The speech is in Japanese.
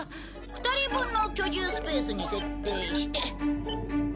２人分の居住スペースに設定して。